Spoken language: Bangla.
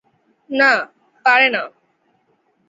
না, পারে না।